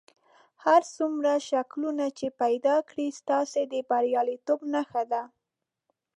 هر څومره شکلونه چې پیدا کړئ ستاسې د بریالیتوب نښه ده.